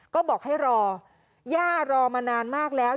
ก็บอกให้รอย่ารอมานานมากแล้ว